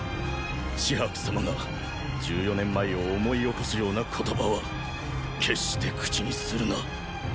紫伯様が十四年前を思い起こすような言葉は決して口にするな。